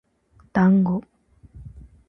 だんご